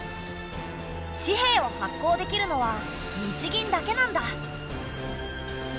紙幣を発行できるのは日銀だけなんだ。